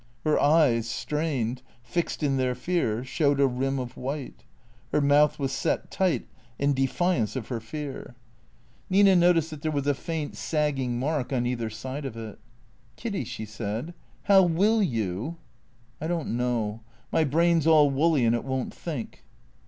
Her eyes, strained, fixed in their fear, showed a rim of white. Her mouth was set tight in defiance of her fear. THE CREATORS 305 Nina noticed that there was a faint, sagging mark on either side of it. " Kiddy," she said, " how will you ?"" I don't know. My brain 's all woolly and it won't think."